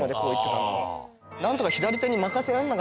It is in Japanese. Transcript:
何とか。